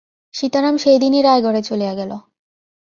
সীতারাম সেই দিনই রায়গড়ে চলিয়া গেল।